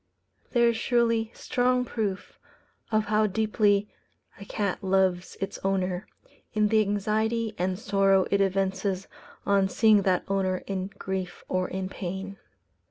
There is surely strong proof of how deeply a cat loves its owner, in the anxiety and sorrow it evinces on seeing that owner in grief or in pain.